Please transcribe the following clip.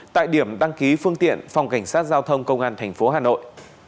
tại điểm đăng ký phương tiện phòng cảnh sát giao thông công an tp hà nội